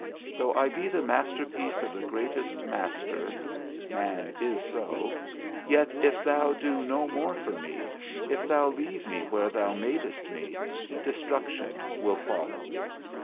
Though I be the masterpiece of the greatest master (man is so), yet if thou do no more for me, if thou leave me where thou madest me, destruction will follow.